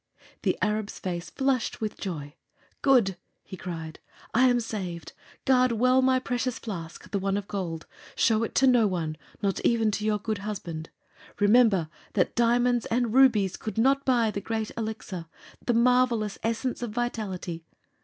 The Arab's face flushed with joy. "Good," he cried; "I am saved! Guard well my precious flask the one of gold. Show it to no one not even to your good husband. Remember that diamonds and rubies could not buy the Great Elixir the marvelous Essence of Vitality.